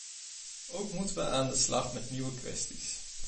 Ook moeten we aan de slag met nieuwe kwesties.